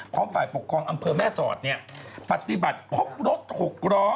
ฝ่ายปกครองอำเภอแม่สอดเนี่ยปฏิบัติพบรถ๖ล้อ